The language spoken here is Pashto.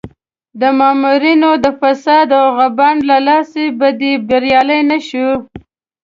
د مامورینو د فساد او غبن له لاسه په دې بریالی نه شو.